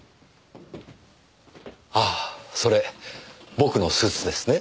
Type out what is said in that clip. ああそれ僕のスーツですね？